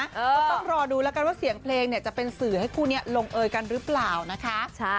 ก็ต้องรอดูแล้วกันว่าเสียงเพลงเนี่ยจะเป็นสื่อให้คู่นี้ลงเอยกันหรือเปล่านะคะ